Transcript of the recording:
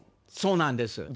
そうなんです。